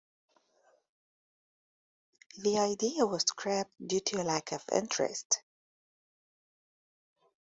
The idea was scrapped due to lack of interest.